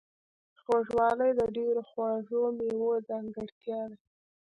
خوږوالی د ډیرو خواږو میوو ځانګړتیا ده.